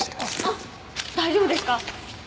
あっ大丈夫ですか？